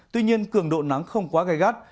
tuy nhiên cường độ nắng không quá gai gắt